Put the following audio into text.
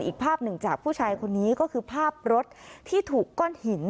อีกภาพหนึ่งจากผู้ชายคนนี้ก็คือภาพรถที่ถูกก้อนหิน